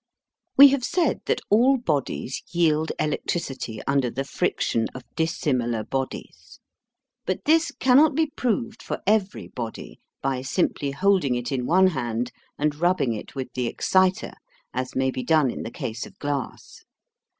We have said that all bodies yield electricity under the friction of dissimilar bodies; but this cannot be proved for every body by simply holding it in one hand and rubbing it with the excitor, as may be done in the case of glass.